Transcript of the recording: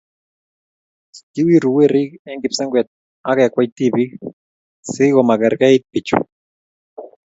Kiwiru werik eng kipsengwet ak kekwei tibik sikomakerkeit bichu?